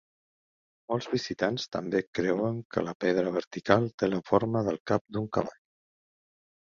Molts visitants també creuen que la pedra vertical té la forma del cap d"un cavall.